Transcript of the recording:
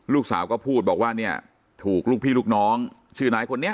ลูกสาวก็พูดบอกว่าเนี่ยถูกลูกพี่ลูกน้องชื่อนายคนนี้